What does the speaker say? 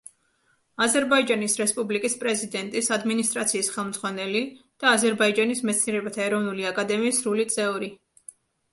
აზერბაიჯანის რესპუბლიკის პრეზიდენტის ადმინისტრაციის ხელმძღვანელი და აზერბაიჯანის მეცნიერებათა ეროვნული აკადემიის სრული წევრი.